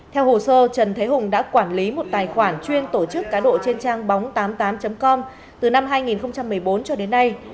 theo hồ sơ trần thế hùng đã quản lý một tài khoản chuyên tổ chức cá độ trên trang bóng tám mươi tám com từ năm hai nghìn một mươi bốn cho đến nay